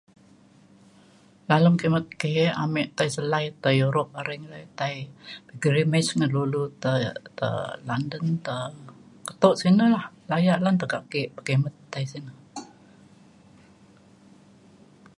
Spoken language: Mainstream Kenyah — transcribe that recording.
dalem kemet ke' amek tai selai tai europe aring re tai gerimis ngan dulu te te London te ketuk sik nu ne layak lan ke pekimet tai sen.